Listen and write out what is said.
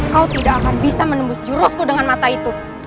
kau tidak akan bisa menembus jurosku dengan mata itu